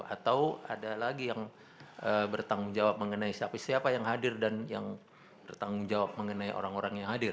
atau ada lagi yang bertanggung jawab mengenai siapa siapa yang hadir dan yang bertanggung jawab mengenai orang orang yang hadir